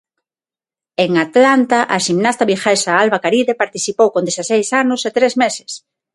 En Atlanta a ximnasta viguesa Alba Caride participou con dezaseis anos e tres meses.